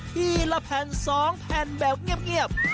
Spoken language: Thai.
ทีละแผ่น๒แผ่นแบบเงียบ